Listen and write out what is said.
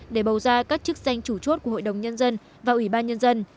để bầu ra các chức danh chủ chốt của hội đồng nhân dân và ủy ban nhân dân